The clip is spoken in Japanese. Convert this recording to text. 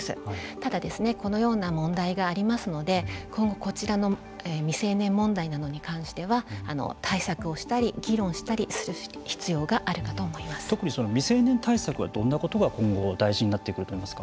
ただ、このような問題がありますので今後こちらの未成年問題などに関しては対策をしたり議論したりする必要が特に未成年対策はどんなことが今後大事になってくると思いますか。